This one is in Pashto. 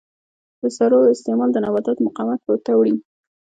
د سرو استعمال د نباتاتو مقاومت پورته وړي.